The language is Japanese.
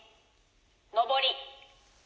「上り」。